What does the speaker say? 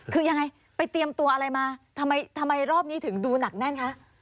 คือยังไงไปเตรียมตัวอะไรมาทำไมรอบนี้ถึงดูหนักแน่นคะ